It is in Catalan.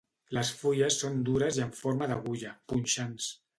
Les fulles són dures i en forma d'agulla, punxants.